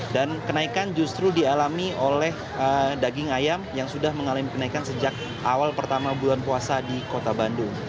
dan kenaikan justru dialami oleh daging ayam yang sudah mengalami kenaikan sejak awal pertama bulan puasa di kota bandung